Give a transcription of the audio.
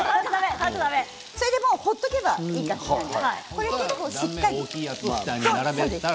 それで放っておけばいいです。